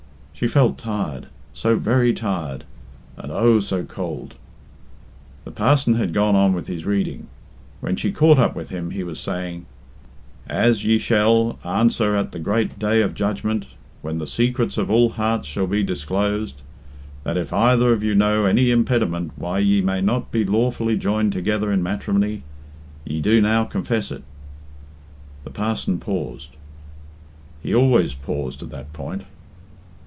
She felt tired, so very tired, and oh! so cold. The parson had gone on with his reading. When she caught up with him he was saying " as ye shall, answer at the great day of judgment, when the secrets of all hearts shall be disclosed, that if either of you know any impediment why ye may not be lawfully joined together in matrimony, ye do now confess it." The parson paused. He had always paused at that point.